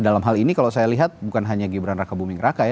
dalam hal ini kalau saya lihat bukan hanya gibran raka buming raka ya